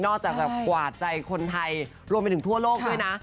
จากแบบกวาดใจคนไทยรวมไปถึงทั่วโลกด้วยนะ